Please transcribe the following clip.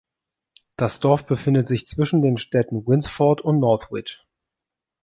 Das Dorf befindet sich zwischen den Städten Winsford und Northwich.